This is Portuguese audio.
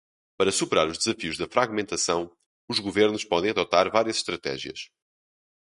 Para superar os desafios da fragmentação, os governos podem adotar várias estratégias.